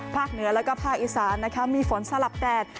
ภาคเหนือและภาคอีสานมีฝนสลับแดด